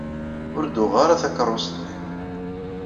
Ur d-uɣeɣ ara takeṛṛust-nni.